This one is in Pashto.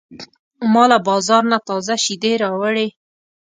ما له بازار نه تازه شیدې راوړې.